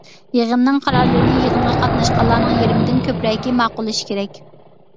يىغىننىڭ قارارلىرىنى يىغىنغا قاتناشقانلارنىڭ يېرىمىدىن كۆپرەكى ماقۇللىشى كېرەك.